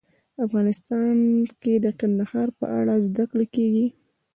افغانستان کې د کندهار په اړه زده کړه کېږي.